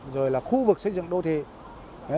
rồi là khu vực xây dựng đô thê